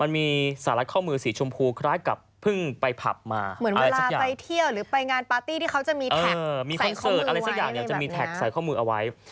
ไปเที่ยวหรือไปงานปาร์ตี้ที่เขาจะมีแท็กใส่ข้อมือไว้